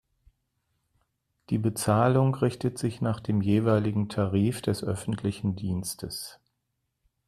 Die Bezahlung richtet sich nach dem jeweiligen Tarif des öffentlichen Dienstes.